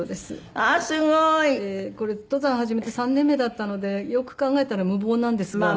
これ登山始めて３年目だったのでよく考えたら無謀なんですが。